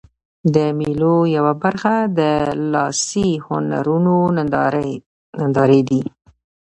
د مېلو یوه برخه د لاسي هنرونو نندارې دي.